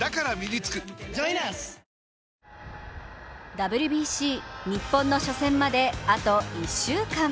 ＷＢＣ、日本の初戦まであと１週間。